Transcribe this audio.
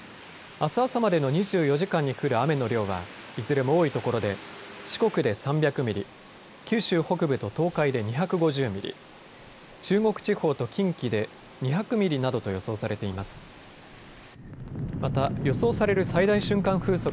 あす朝までの２４時間に降る雨の量はいずれも多いところで四国で３００ミリ、九州北部と東海で２５０ミリ、中国地方と近畿で２００ミリなどと予想されています。